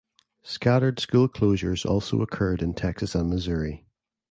Scattered school closures also occurred in Texas and Missouri.